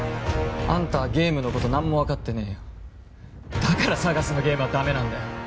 あんたはゲームのこと何も分かってねえよだからＳＡＧＡＳのゲームはダメなんだよ